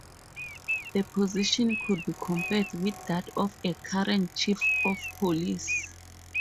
The position could be compared with that of a current Chief of police.